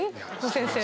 先生。